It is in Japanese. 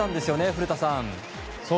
古田さん。